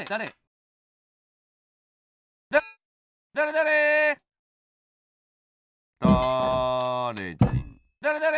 だれだれ！